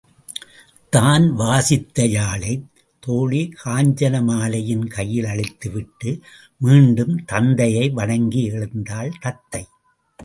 தான் வாசித்த யாழைத் தோழி காஞ்சனமாலையின் கையில் அளித்துவிட்டு மீண்டும் தந்தையை வணங்கி எழுந்தாள் தத்தை.